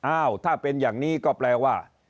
อ้าวถ้าเป็นอย่างนี้ก็แปลว่า